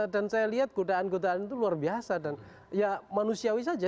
dan saya lihat godaan godaan itu luar biasa dan ya manusiawi saja